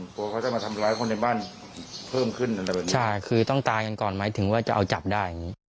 กลัวเขาจะมาทำร้ายคนในบ้านเพิ่มขึ้นอะไรแบบนี้ใช่คือต้องตายกันก่อนหมายถึงว่าจะเอาจับได้อย่างนี้